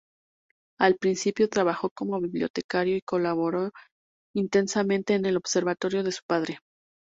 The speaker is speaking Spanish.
Al principio trabajó como bibliotecaria y colaboró intensamente en el observatorio de su padre.